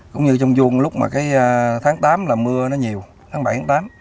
cũng như trong vuông lúc mà cái tháng tám là mưa nó nhiều tháng bảy tháng tám